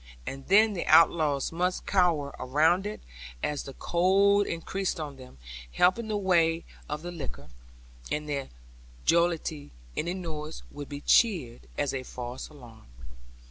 And then the outlaws must cower round it, as the cold increased on them, helping the weight of the liquor; and in their jollity any noise would be cheered as a false alarm.